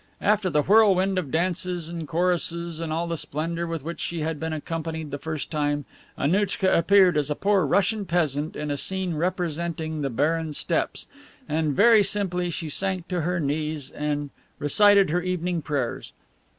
After the whirl wind of dances and choruses and all the splendor with which she had been accompanied the first time, Annouchka appeared as a poor Russian peasant in a scene representing the barren steppes, and very simply she sank to her knees and recited her evening prayers.